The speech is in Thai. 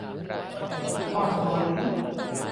อ่อนไหว